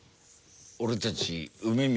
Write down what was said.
俺たち梅宮